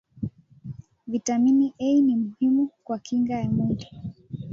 vitamin A ni muhimu kwakinga ya mwili